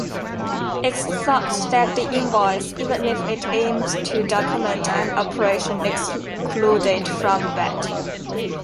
It is thought that the invoice, even if it aims to document an operation excluded from VAT